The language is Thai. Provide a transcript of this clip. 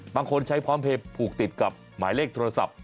บางคนใช้พร้อมเพลย์ผูกติดกับหมายเลขโทรศัพท์